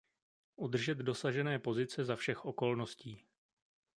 Udržet dosažené pozice za všech okolností.